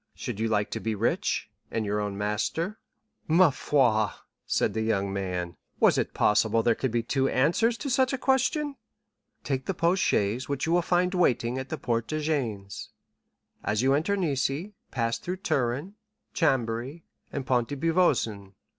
should you like to be rich, and your own master?'" "Parbleu!" said the young man; "was it possible there could be two answers to such a question?" "'Take the post chaise which you will find waiting at the Porte de Gênes, as you enter Nice; pass through Turin, Chambéry, and Pont de Beauvoisin.